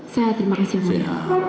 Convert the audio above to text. sehat terima kasih